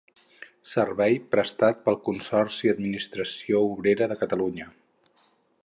Servei prestat pel Consorci Administració Oberta de Catalunya.